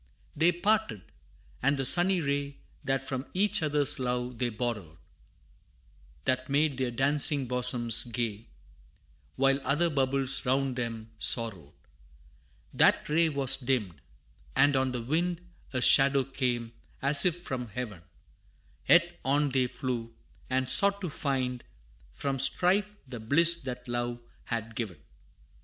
They parted, and the sunny ray That from each other's love they borrowed; That made their dancing bosoms gay, While other bubbles round them sorrowed: That ray was dimmed, and on the wind A shadow came, as if from Heaven; Yet on they flew, and sought to find From strife, the bliss that love had given.